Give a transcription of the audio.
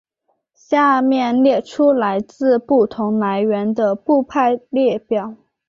下面列出来自不同来源的部派列表。